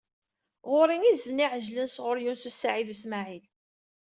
Ɣur-i izen iɛeǧlen sɣur Yunes u Saɛid u Smaɛil.